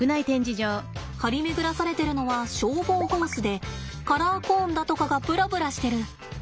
張り巡らされてるのは消防ホースでカラーコーンだとかがぶらぶらしてる。